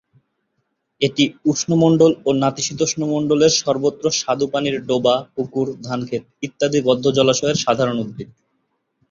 এটি উষ্ণমন্ডল ও নাতিশীতোষ্ণমন্ডলের সর্বত্র স্বাদুপানির ডোবা, পুকুর, ধানক্ষেত ইত্যাদি বদ্ধ জলাশয়ের সাধারণ উদ্ভিদ।